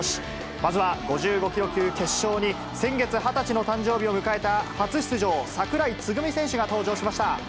まずは５５キロ級決勝に、先月、二十歳の誕生日を迎えた初出場、櫻井つぐみ選手が登場しました。